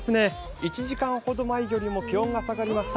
１時間ほど前よりも気温が下がりました。